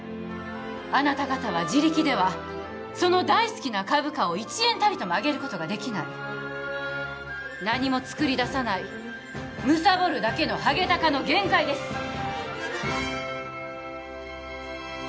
あなた方は自力ではその大好きな株価を１円たりとも上げることができない何も作りださないむさぼるだけのハゲタカの限界です